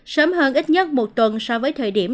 sớm hơn ít nhất một tuần so với thời điểm